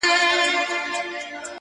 د ښار خلک د حیرت ګوته په خوله وه!